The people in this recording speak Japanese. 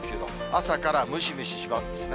朝からムシムシしますね。